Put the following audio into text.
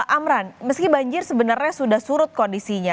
amran meski banjir sebenarnya sudah surut kondisinya